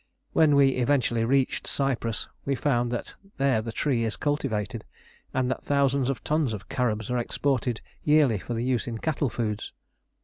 When we eventually reached Cyprus we found that there the tree is cultivated, and that thousands of tons of carobs are exported yearly for use in cattle foods.